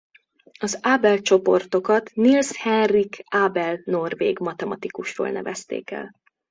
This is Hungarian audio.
Az Abel-csoportokat Niels Henrik Abel norvég matematikusról nevezték el.